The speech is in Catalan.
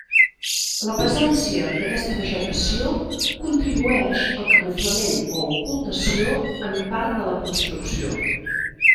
La presència d'aquesta vegetació contribueix al camuflament o ocultació en part de la construcció.